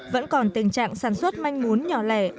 vẫn còn tình trạng sản xuất manh mún nhỏ lẻ